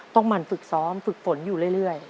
หมั่นฝึกซ้อมฝึกฝนอยู่เรื่อย